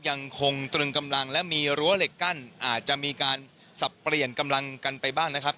ยังคงตรึงกำลังและมีรั้วเหล็กกั้นอาจจะมีการสับเปลี่ยนกำลังกันไปบ้างนะครับ